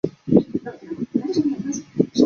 这一类还包括州政府和当地政府。